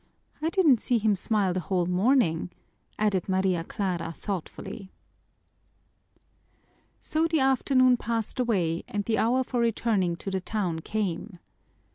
I didn't see him smile the whole morning," added Maria Clara thoughtfully. So the afternoon passed away and the hour for returning to the town came.